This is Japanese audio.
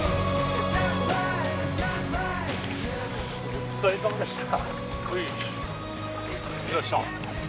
お疲れさまでした！